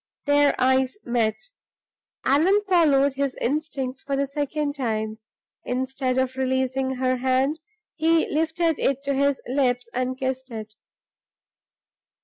Their eyes met. Allan followed his instincts for the second time. Instead of releasing her hand, he lifted it to his lips and kissed it.